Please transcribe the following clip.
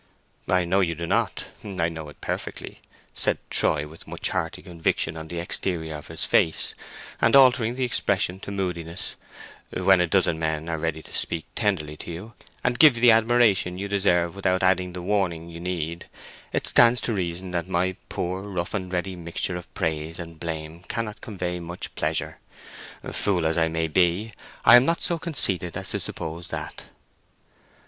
"I know you do not—I know it perfectly," said Troy, with much hearty conviction on the exterior of his face: and altering the expression to moodiness; "when a dozen men are ready to speak tenderly to you, and give the admiration you deserve without adding the warning you need, it stands to reason that my poor rough and ready mixture of praise and blame cannot convey much pleasure. Fool as I may be, I am not so conceited as to suppose that!"